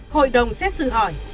hội đồng xét xử hỏi